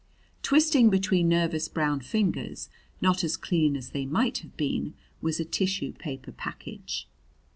Twisting between nervous brown fingers, not as clean as they might have been, was a tissue paper package.